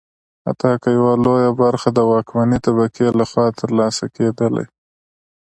حتی که یوه لویه برخه د واکمنې طبقې لخوا ترلاسه کېدلی.